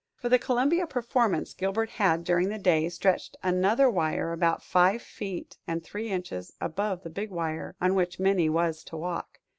For the Columbia performance Gilbert had, during the day, stretched another wire about five feet and three inches above the big wire on which Minnie was to walk.